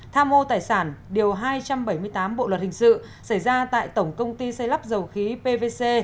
tham mô tài sản điều hai trăm bảy mươi tám bộ luật hình sự xảy ra tại tổng công ty xây lắp dầu khí pvc